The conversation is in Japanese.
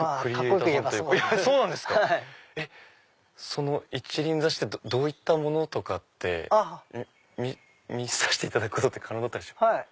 その一輪挿しってどういったものとかって見させていただくことって可能だったりしますか？